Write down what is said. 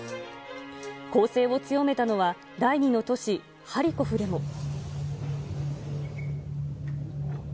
攻勢を強めたのは第２の都市、ハリコフでも。